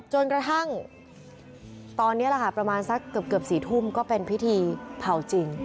จนกระทั่งตอนนี้แหละค่ะประมาณสักเกือบ๔ทุ่มก็เป็นพิธีเผาจริง